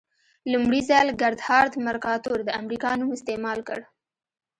لومړي ځل ګردهارد مرکاتور د امریکا نوم استعمال کړ.